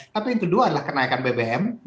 tapi yang kedua adalah kenaikan bbm